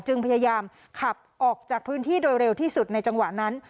พยายามขับออกจากพื้นที่โดยเร็วที่สุดในจังหวะนั้น